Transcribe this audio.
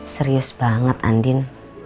serius banget andin